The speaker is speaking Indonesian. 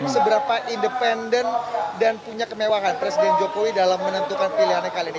seberapa independen dan punya kemewahan presiden jokowi dalam menentukan pilihannya kali ini